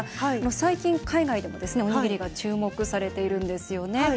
最近、海外でもおにぎりが注目されているんです。